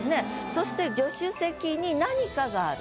そして助手席に何かがある。